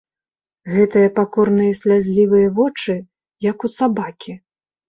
Гэтыя пакорныя слязлівыя вочы, як у сабакі.